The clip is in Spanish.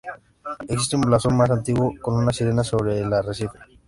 Existe un blasón más antiguo con una sirena sobre el arrecife.